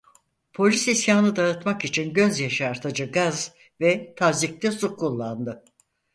Polis isyanı dağıtmak için göz yaşartıcı gaz ve tazyikli su kullandı.